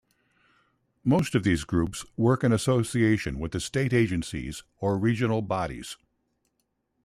Most of these groups work in association with the State Agencies or regional bodies.